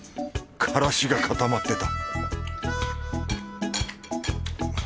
からしが固まってた